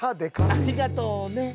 ありがとうね。